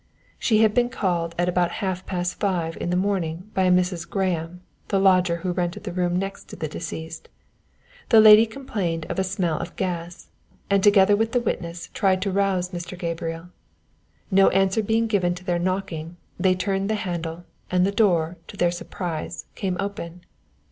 She had been called at about half past five in the morning by a Mrs. Graham, the lodger who rented the room next to the deceased. The lady complained of a smell of gas, and, together with the witness, tried to rouse Mr. Gabriel. No answer being given to their knocking, they turned the handle, and the door, to their surprise, came open.